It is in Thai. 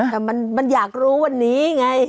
แต่มันอยากรู้วันนี้ไง